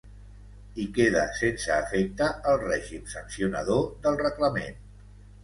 I queda sense efecte el règim sancionador del reglament.